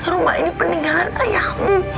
rumah ini peninggalan ayahmu